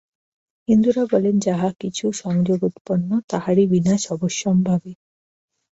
হিন্দুরা বলেন যাহা কিছু সংযোগোৎপন্ন, তাহারই বিনাশ অবশ্যম্ভাবী।